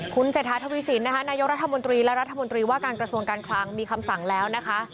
คุณเศรษฐาทวีสินนะคะนายกรัฐมนตรีและรัฐมนตรีว่าการกระทรวงการคลังมีคำสั่งแล้วนะคะ